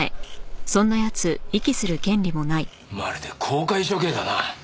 まるで公開処刑だな。